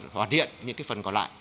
hoạt hiện những cái phần còn lại